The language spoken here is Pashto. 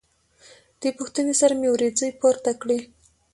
دې پوښتنې سره مې وروځې پورته کړې.